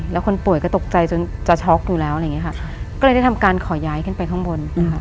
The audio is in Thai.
แล้วคนป่วยก็ตกใจจนจะช็อกอยู่แล้วอะไรอย่างเงี้ค่ะก็เลยได้ทำการขอย้ายขึ้นไปข้างบนนะคะ